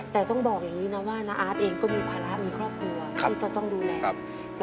แต่ต้องบอกอย่างนี้นะว่าน้าอาร์ตเองก็มีภาระมีครอบครัวที่จะต้องดูแลครับ